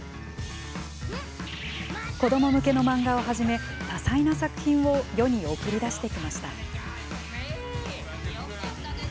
子ども向けの漫画をはじめ多彩な作品を世に送り出してきました。